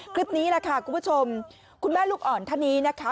คลิปนี้แหละค่ะคุณผู้ชมคุณแม่ลูกอ่อนท่านนี้นะคะ